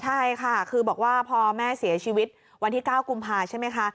ใช่ค่ะคือบอกว่าพอแม่เสียชีวิตวันที่๙กุมภาใช่ไหมคะ